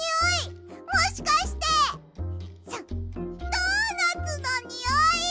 ドーナツのにおい！